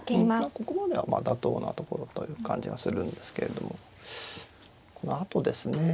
ここまでは妥当なところという感じがするんですけれどもこのあとですね。